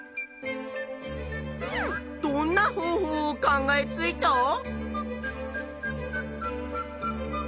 どんな方法を考えついた？